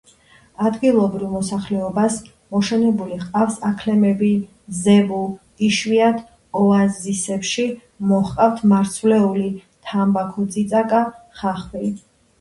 ადგილობრივ მოსახლეობას მოშენებული ჰყავს აქლემები, ზებუ, იშვიათ ოაზისებში მოჰყავთ მარცვლეული, თამბაქო, წიწაკა, ხახვი.